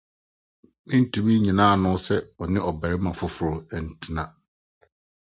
Mintumi nnyena ano sɛ ɔne ɔbarima foforo bi ntra.